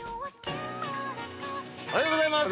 おはようございます。